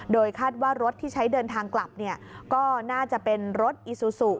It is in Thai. โดยคาดว่ารถที่ใช้เดินทางกลับก็น่าจะเป็นรถอีซูซู